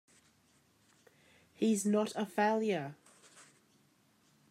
He's not a failure!